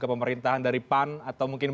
ke pemerintahan dari pan atau mungkin